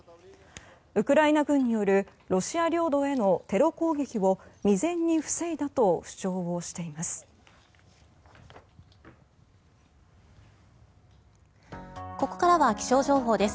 ウクライナ軍によるロシア領土へのテロ攻撃を未然に防いだと主張をしています。